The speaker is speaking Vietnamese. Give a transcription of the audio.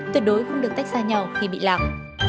tuyệt đối không được tách ra nhau khi bị lạc